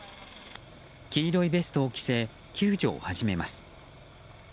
黄色いベストを着せ救助を始めます。